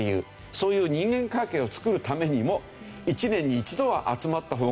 そういう人間関係を作るためにも一年に一度は集まった方がいいんじゃないかと。